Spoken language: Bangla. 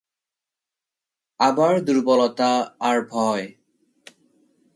আবার দুর্বলতা আর ভয়।